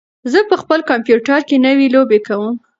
زه په خپل کمپیوټر کې نوې لوبې کوم.